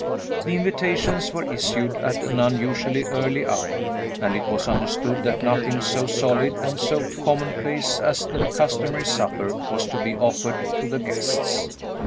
The invitations were issued at an unusually early hour; and it was understood that nothing so solid and so commonplace as the customary supper was to be offered to the guests.